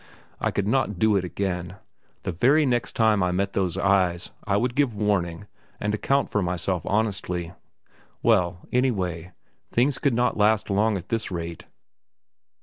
I could not do it again: the very next time I met those eyes I would give warning and account for myself honestly. Well, any way, things could not last long at this rate.